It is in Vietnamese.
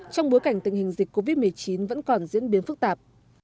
trong bối cảnh tình hình dịch covid một mươi chín vẫn còn diễn biến phức tạp